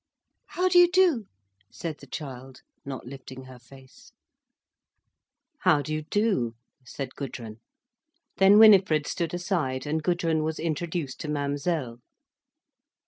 "How do you do?" said the child, not lifting her face. "How do you do?" said Gudrun. Then Winifred stood aside, and Gudrun was introduced to Mademoiselle.